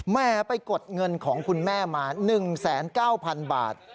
แม่ไปกดเงินของคุณแม่มา๑๙๐๐๐บาท